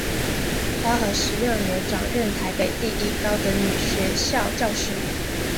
昭和十六年转任台北第一高等女学校教师。